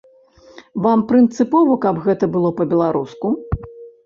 Вам прынцыпова, каб гэта было па-беларуску?